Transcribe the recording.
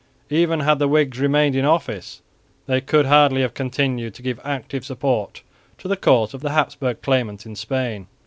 Even had the Whigs remained in office, they could hardly have continued to give active support to the cause of the Habsburg claimant in Spain.